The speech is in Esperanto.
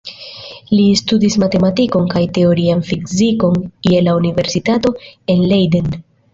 Li studis matematikon kaj teorian fizikon je la universitato en Leiden.